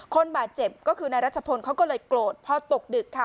คนบาดเจ็บก็คือนายรัชพลเขาก็เลยโกรธพอตกดึกค่ะ